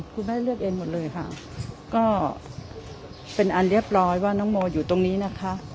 คุณแม่เลือกเองหมดเลยค่ะก็เป็นอันเรียบร้อยว่าน้องโมอยู่ตรงนี้นะคะ